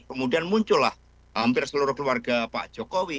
kemudian muncullah hampir seluruh keluarga pak jokowi